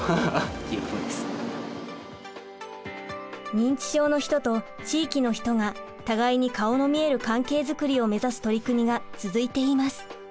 認知症の人と地域の人が互いに顔の見える関係づくりを目指す取り組みが続いています。